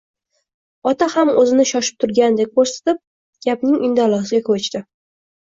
Ota ham o‘zini shoshib turgandek ko‘rsatib, gapning indallosiga ko‘chdi